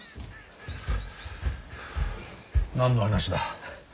何の話だ。